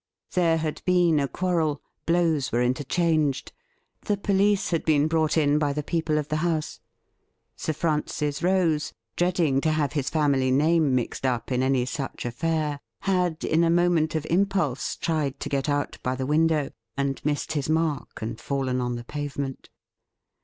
There had been a quarrel — blows were inter changed. The police had been brought in by the people of the house. Sir Francis Rose, dreading to have his family name mixed up in any such affair, had in a moment of im pulse tried to get out by the window, and missed his mark and fallen on the pavement.